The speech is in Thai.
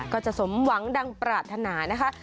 ก็จะสมหวังดังปรารถนานะคะ